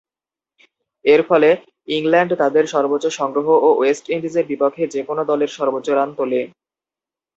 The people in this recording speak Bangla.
এরফলে ইংল্যান্ড তাদের সর্বোচ্চ সংগ্রহ ও ওয়েস্ট ইন্ডিজের বিপক্ষে যে-কোন দলের সর্বোচ্চ রান তোলে।